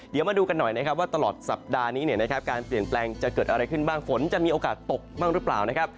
เดี๋ยวมาดูกันหน่อยนะครับว่าตลอดสัปดาห์นี้เนี่ยนะครับการเปลี่ยนแปลงจะเกิดอะไรขึ้นบ้างฝนจะมีโอกาสตกบ้างหรือเปล่านะครับ